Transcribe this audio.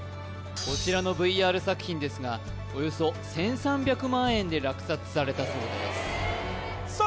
こちらのＶＲ作品ですがおよそ１３００万円で落札されたそうですさあ